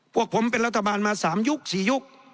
พวกผมเป็นรัฐบาลมา๓ยุค๔ยุค